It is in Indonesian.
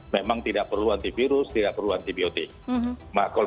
memang tidak perlu antivirus tidak perlu antibiotik